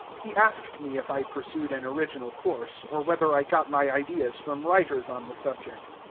He asked me if I pursued an original course, or whether I got my ideas from writers on the subject.